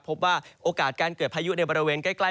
พบว่าโอกาสการเกิดพายุในบริเวณใกล้